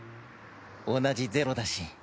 同じ「ゼロ」だし！